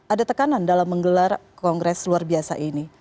ada tekanan dalam menggelar kongres luar biasa ini